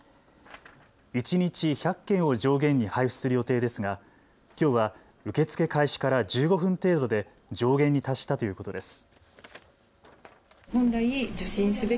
一日１００件を上限に配布する予定ですが、きょうは受け付け開始から１５分程度で上限に達したということです。